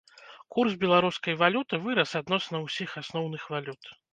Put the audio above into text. Курс беларускай валюты вырас адносна ўсіх асноўных валют.